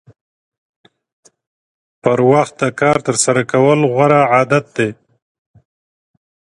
پر وخت د کار ترسره کول غوره عادت دی.